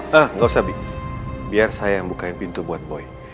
hah gak usah bi biar saya yang bukain pintu buat boy